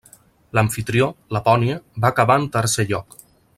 L'amfitrió, Lapònia, va acabar en tercer lloc.